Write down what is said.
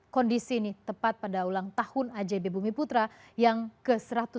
kondisi ini tepat pada ulang tahun ajb bumi putra yang ke satu ratus enam puluh